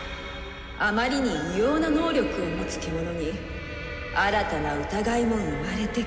あまりに異様な能力を持つ獣に新たな疑いも生まれてくる。